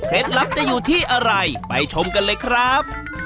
ลับจะอยู่ที่อะไรไปชมกันเลยครับ